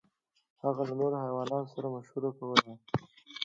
هغه له نورو حیواناتو سره مشوره کوله.